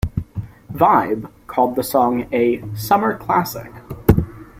"Vibe" called the song a "summer classic".